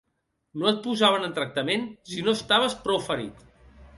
No et posaven en tractament si no estaves prou ferit